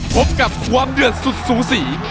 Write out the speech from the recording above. พบกับความเดือดสุดสูสี